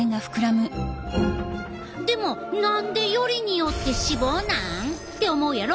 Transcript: でも何でよりによって脂肪なん？って思うやろ？